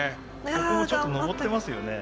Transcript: ここもちょっと登ってますよね。